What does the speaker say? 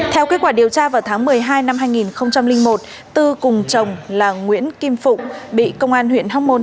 theo kết quả điều tra vào tháng một mươi hai năm hai nghìn một tư cùng chồng là nguyễn kim phụng bị công an huyện hóc môn